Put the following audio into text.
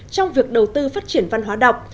trong việc đầu tư phát triển văn hóa đọc